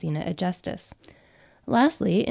agestis. Lastly, in L.